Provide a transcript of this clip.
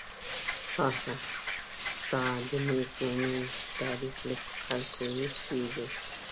پاڅه ! ستا د نيکونو تاريخ له خلکو هېر شوی دی